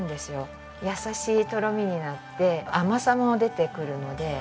優しいとろみになって甘さも出てくるので。